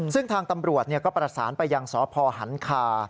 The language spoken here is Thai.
ซึ่งทางตำรวจก็ประสานไปยังสพหันคา